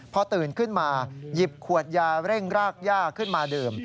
พอตื่นขึ้นมาหยิบขวดยาเร่งรากย่าขึ้นมาดื่ม